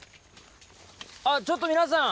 あっちょっと皆さん！